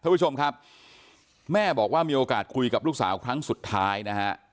ผู้ชมครับแม่บอกว่ามีโอกาสคุยกับลูกสาวครั้งสุดท้ายนะฮะ